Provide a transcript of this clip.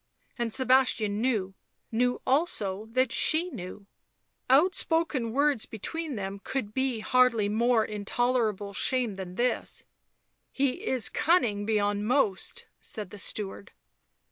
And Sebastian knew — knew also that she knew — outspoken words between them could be hardly more intolerable shame than this. " He is cunning beyond most," said the steward.